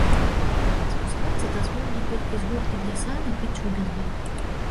Спускацца дазволілі толькі з горкі для санак і цюбінгаў.